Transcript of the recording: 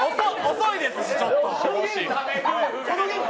遅いですし、ちょっと。